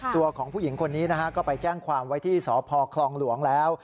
ตัวของผู้หญิงคนนี้นะฮะก็ไปแจ้งความไว้ที่สพคลองหลวงแล้ว